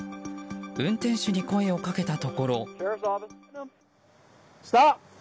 運転手に声をかけたところ。